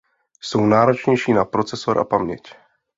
Jsou náročnější na procesor a paměť.